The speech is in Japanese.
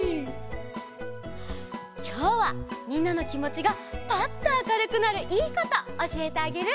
きょうはみんなのきもちがぱっとあかるくなるいいことおしえてあげる！